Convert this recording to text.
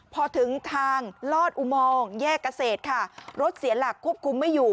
พอถึงทางลอดอุโมงแยกเกษตรค่ะรถเสียหลักควบคุมไม่อยู่